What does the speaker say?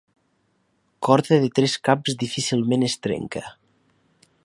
Corda de tres caps difícilment es trenca.